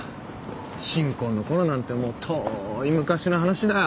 新婚のころなんてもう遠い昔の話だよ。